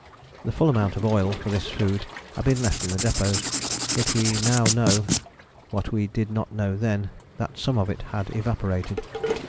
The full amount of oil for this food had been left in the depôts; but we know now what we did not know then, that some of it had evaporated.